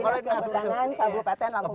kepala dinas betul